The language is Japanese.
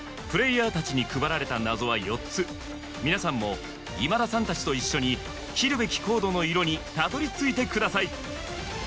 プレーヤーたちに配られた謎は４つ皆さんも今田さんたちと一緒に切るべきコードの色にたどり着いてください